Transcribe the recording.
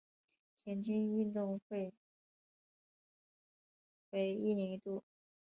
田径运动会为一年一度。